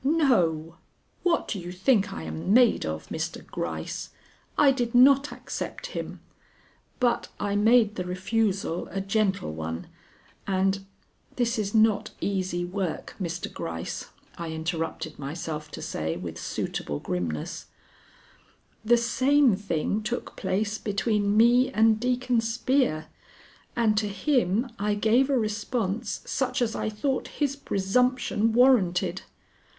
"No. What do you think I am made of, Mr. Gryce? I did not accept him, but I made the refusal a gentle one, and this is not easy work, Mr. Gryce," I interrupted myself to say with suitable grimness "the same thing took place between me and Deacon Spear, and to him I gave a response such as I thought his presumption warranted.